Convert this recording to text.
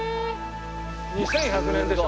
２１００年でしょ？